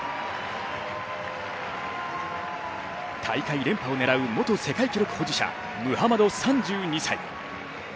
大会連覇を狙う元世界記録保持者ムハマド３２歳。